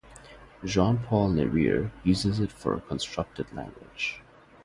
Jean-Paul Nerriere uses it for a constructed language.